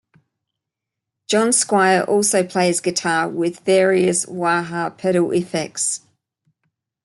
John Squire also plays guitar with various wah-wah pedal effects.